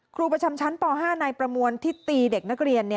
ครูประจำชั้นป๕นายประมวลที่ตีเด็กนักเรียน